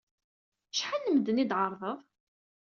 Acḥal n medden ay d-tɛerḍed?